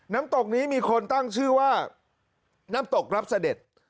น้ำตกนี้มีคนตั้งชื่อว่าน้ำตกรับเสด็จ